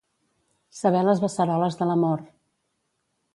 Saber les beceroles de l'amor.